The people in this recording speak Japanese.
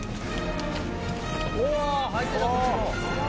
うわ入ってるこっちも。